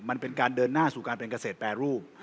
มันเป็นการเดินหน้าสู่การเป็นเกษตรแปรรูป